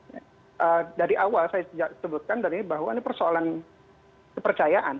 nah dari awal saya sebutkan bahwa ini persoalan kepercayaan